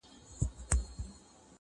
• گراني شاعري ستا خوږې خبري ؛